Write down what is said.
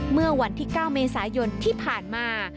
เมื่อวันที่๙เมษายนที่ผ่านมา